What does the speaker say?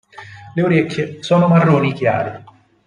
Le orecchie sono marroni chiare.